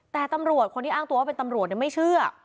แต่ตำรวจคนที่อ้างตัวว่าเป็นตำรวจไม่เชื่อ